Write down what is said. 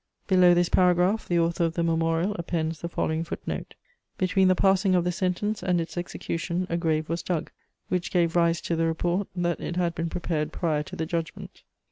* Below this paragraph, the author of the memorial appends the following footnote: "Between the passing of the sentence and its execution, a grave was dug, which gave rise to the report that it had been prepared prior to the judgment."